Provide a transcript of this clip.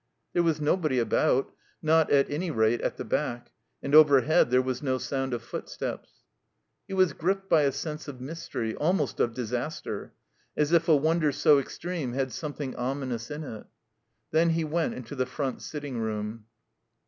There was nobody about; not, at any rate, at the back; and overhead there was no sound of foot steps. He was gripped by a sense of mystery, almost of disaster; as if a wonder so extreme had something ominous in it. Then he went into the front sitting room.